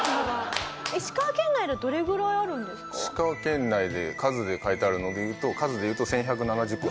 石川県内で数で書いてあるのでいうと数でいうと１１７０個。